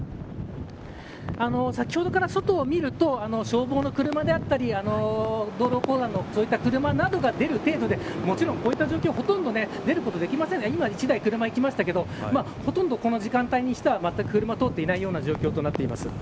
先ほどから外を見ると消防の車であったり道路公団の車などが出る程度でもちろん、こういった状況ほとんど出ることはできませんが今、１台車が行きましたけどほとんどこの時間帯にしてはまったく車が通っていない状況となっています。